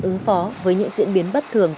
ứng phó với những diễn biến bất thường